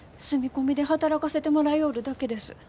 住み込みで働かせてもらようるだけです。